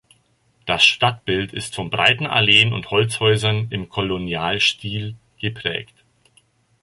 Das Stadtbild ist von breiten Alleen und Holzhäusern im Kolonialstil geprägt.